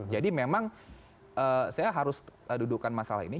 jadi memang saya harus dudukkan masalah ini